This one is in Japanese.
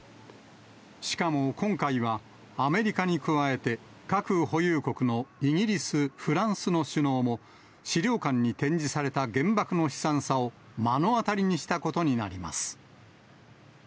しかも今回は、アメリカに加えて核保有国のイギリス、フランスの首脳も、資料館に展示された原爆の悲惨さを目の当たりにしたことになります。